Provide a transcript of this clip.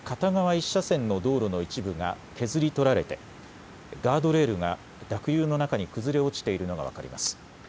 １車線の道路の一部が削り取られてガードレールが濁流の中に崩れ落ちているのが分かります。